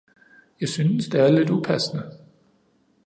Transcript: Jeg synes, det er lidt upassende.